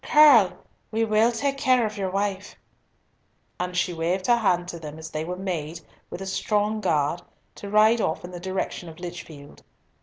Curll, we will take care of your wife." And she waved her hand to them as they were made, with a strong guard, to ride off in the direction of Lichfield.